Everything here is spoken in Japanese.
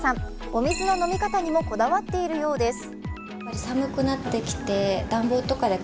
お水の飲み方にもこだわっているようです。